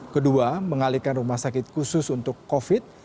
kedua mengalihkan rumah sakit khusus untuk covid